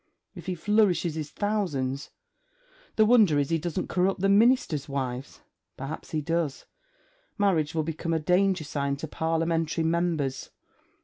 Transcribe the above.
If he flourishes his thousands! The wonder is, he doesn't corrupt the Ministers' wives. Perhaps he does. Marriage will become a danger sign to Parliamentary members.